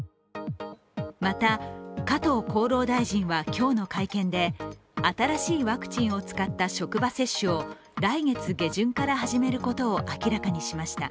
また、加藤厚労大臣は今日の会見で新しいワクチンを使った職場接種を来月下旬から始めることを明らかにしました。